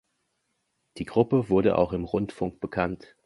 Die Gruppe wurde auch im Rundfunk bekannt.